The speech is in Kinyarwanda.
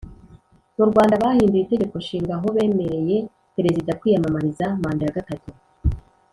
Murwanda bahinduye itegeko nshinga aho bemereye perezida kwiyamamariza manda yagatatu